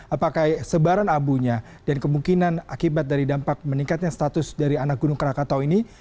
apakah sebaran abunya dan kemungkinan akibat dari dampak meningkatnya status dari anak gunung krakatau ini